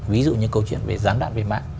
ví dụ như câu chuyện về gián đoạn về mạng